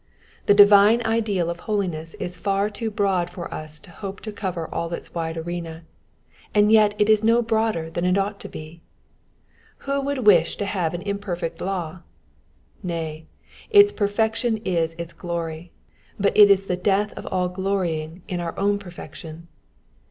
The divine ideal of holiness is far too broaa for us to hope to cover all its wide arena, and yet it is no broader than it ought to be. Who would wish to have an imperfect law ? Nay, its perfection is its glory ; but it is the death of all glorying in our own per fection.